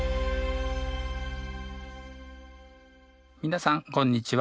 皆さんこんにちは。